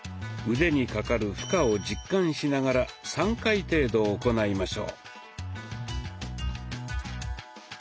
腕にかかる負荷を実感しながら３回程度行いましょう。